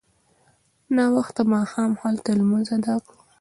ناوخته ماښام هلته لمونځ اداء کړ.